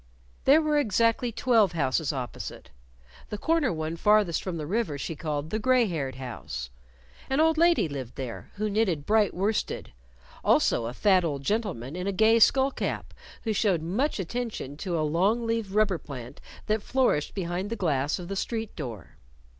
There were exactly twelve houses opposite. The corner one farthest from the river she called the gray haired house. An old lady lived there who knitted bright worsted; also a fat old gentleman in a gay skull cap who showed much attention to a long leaved rubber plant that flourished behind the glass of the street door.